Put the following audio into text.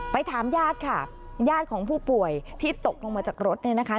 ถามญาติค่ะญาติของผู้ป่วยที่ตกลงมาจากรถเนี่ยนะคะ